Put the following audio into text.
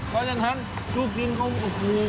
เพราะฉะนั้นลูกจิ้นเค้ากับคุณ